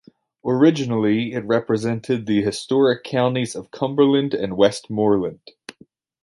Originally, it represented the historic counties of Cumberland and Westmorland.